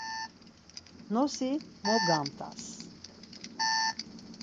Nosi mo gamt̆as!